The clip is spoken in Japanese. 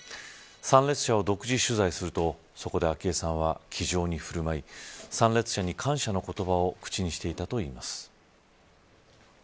参列者を独自取材するとそこで昭恵さんは気丈に振るない参列者に感謝の言葉を口にしていたといいます。